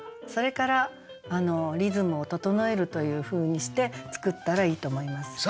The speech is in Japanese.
それからリズムを整えるというふうにして作ったらいいと思います。